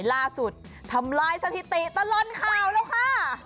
ล่าสุดทำร้ายสถิติตลนข่าวแล้วค่ะ